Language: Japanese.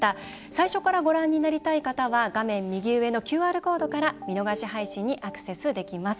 最初からご覧になりたい方は画面右上のＱＲコードから見逃し配信にアクセスできます。